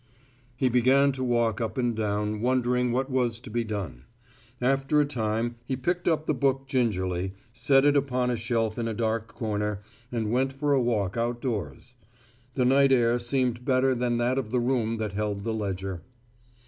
He began to walk up and down, wondering what was to be done. After a time, he picked up the book gingerly, set it upon a shelf in a dark corner, and went for a walk outdoors. The night air seemed better than that of the room that held the ledger.